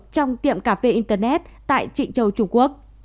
trong tiệm cà phê internet tại trị châu trung quốc